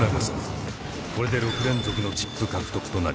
これで６連続のチップ獲得となります。